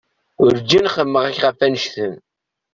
Werǧin xemmemeɣ akka ɣef annect-en.